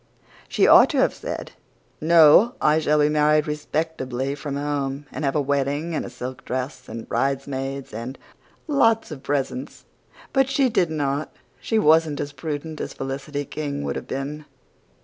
She ought to have said, 'No, I shall be married respectably from home, and have a wedding and a silk dress and bridesmaids and lots of presents.' But she didn't. She wasn't as prudent as Felicity King would have been."